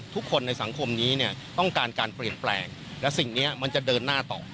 ทุกคนในสังคมนี้เนี่ยต้องการการเปลี่ยนแปลงและสิ่งนี้มันจะเดินหน้าต่อ